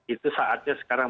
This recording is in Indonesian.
itu saatnya sekarang